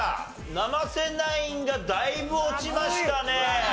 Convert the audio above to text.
生瀬ナインがだいぶ落ちましたね。